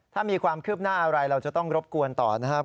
ถ้ามีความคืบหน้าอะไรเราจะต้องรบกวนต่อนะครับ